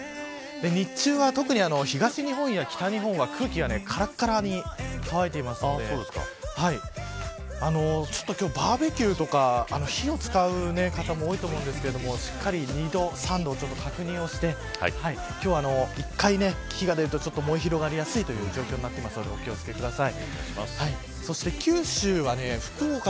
日中は特に東日本や北日本は空気がからからに乾いていますのでちょっとバーベキューとか火を使う方も多いと思うんですがしっかり二度、三度確認をして、今日は１回、火が出ると燃え広がりやすいという状況になっていますのでお気を付けください。